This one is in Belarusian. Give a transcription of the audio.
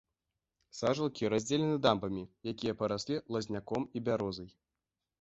Сажалкі раздзелены дамбамі, якія параслі лазняком і бярозай.